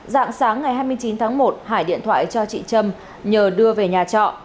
dạng sáng ngày hai mươi chín tháng một hải điện thoại cho chị trâm nhờ đưa về nhà trọ